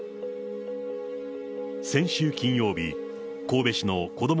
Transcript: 先週金曜日、神戸市のこども